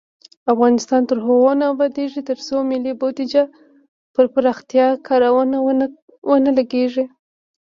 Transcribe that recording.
افغانستان تر هغو نه ابادیږي، ترڅو ملي بودیجه پر پراختیايي کارونو ونه لګیږي.